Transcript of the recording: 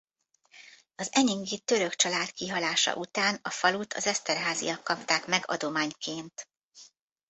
Az Enyingi Török család kihalása után a falut az Esterházyak kapták meg adományként.